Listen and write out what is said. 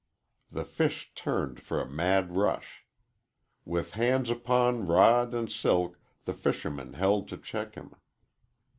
The fish turned for a mad rush. With hands upon rod and silk the fisherman held to check him.